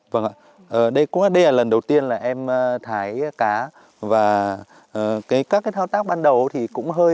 vâng ạ đây là lần đầu tiên là em thái cá và các cái thao tác ban đầu thì cũng hơi